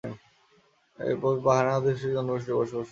এ উপজেলায় পাহান আদিবাসি জনগোষ্ঠীর বসবাস রয়েছে।